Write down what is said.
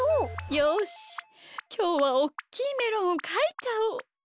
よしきょうはおっきいメロンをかいちゃおう。